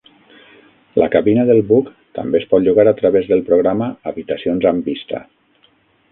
La cabina del buc també es pot llogar a través del programa "Habitacions amb vista".